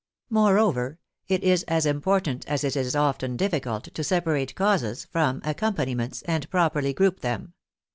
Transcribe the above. Moreover, it is as important as it is often difficult to separate " causes " from " accompaniments " and properly group them.